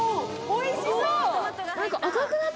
おいしそう！